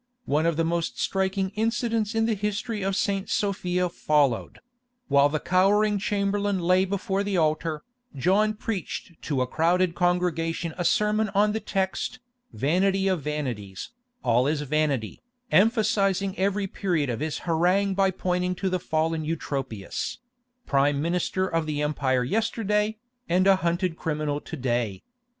One of the most striking incidents in the history of St. Sophia followed: while the cowering Chamberlain lay before the altar, John preached to a crowded congregation a sermon on the text, "Vanity of vanities, all is vanity," emphasizing every period of his harangue by pointing to the fallen Eutropius—prime minister of the empire yesterday, and a hunted criminal to day.